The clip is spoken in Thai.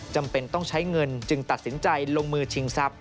จำเป็นต้องใช้เงินจึงตัดสินใจลงมือชิงทรัพย